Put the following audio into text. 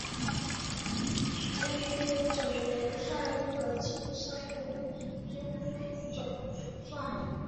军兵种元帅可被晋升为军兵种主帅。